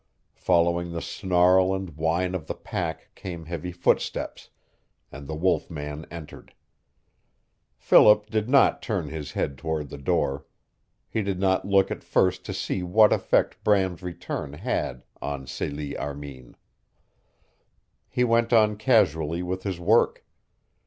Following the snarl and whine of the pack came heavy footsteps, and the wolf man entered. Philip did not turn his head toward the door. He did not look at first to see what effect Bram's return had on Celie Armin. He went on casually with his work.